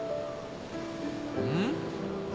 うん？